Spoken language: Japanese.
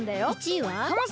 １位は？